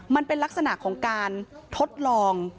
มันเป็นลักษณะของการทดลอง